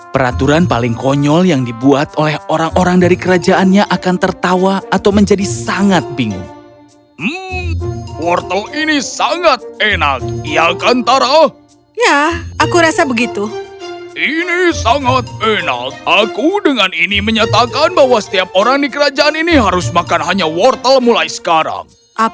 peraturan paling konyol yang dibuat oleh orang orang dari kerajaannya akan tertawa atau menjadi sangat bingung